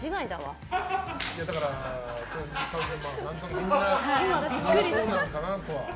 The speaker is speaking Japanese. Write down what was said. みんなそうなのかなとは。